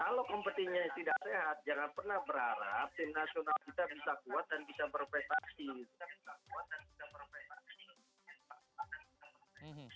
kalau kompetisinya tidak sehat jangan pernah berharap tim nasional kita bisa kuat dan bisa berprestasi